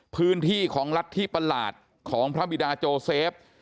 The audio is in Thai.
พื้นที่ของรัฐที่ประหลาดของพระบิดาโจเซฟ